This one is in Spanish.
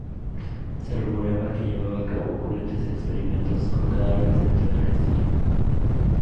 Se rumoreaba que llevaba a cabo cruentos experimentos con cadáveres dentro del castillo.